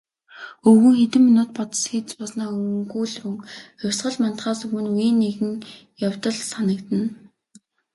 Өвгөн хэдэн минут бодос хийж сууснаа өгүүлрүүн "Хувьсгал мандахаас өмнө үеийн нэгэн явдал санагдана".